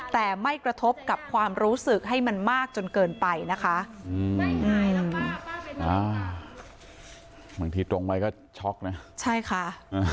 แต่ไม่กระทบกับความรู้สึกให้มันมากจนเกินไปนะคะ